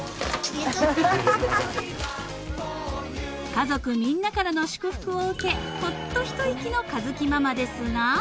［家族みんなからの祝福を受けほっと一息の佳月ママですが］